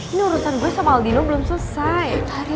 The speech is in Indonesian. ini urusan gue sama aldino belum selesai